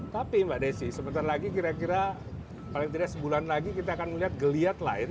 tapi mbak desi sebentar lagi kira kira paling tidak sebulan lagi kita akan melihat geliat lain